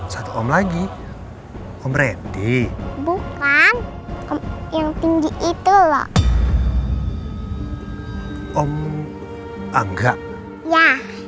satu om lagi om reddy bukan yang tinggi itu loh om angga ya